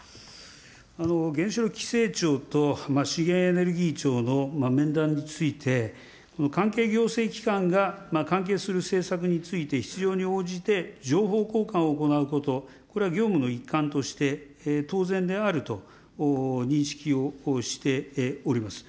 原子力規制庁と資源エネルギー庁の面談について、関係行政機関が関係する政策について、必要に応じて情報交換を行うこと、これは業務の一環として当然であると認識をしております。